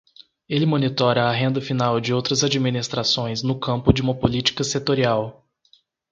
Ele monitora a renda final de outras administrações no campo de uma política setorial.